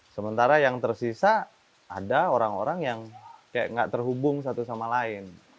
sementara yang tersisa ada orang orang yang kayak nggak terhubung satu sama lain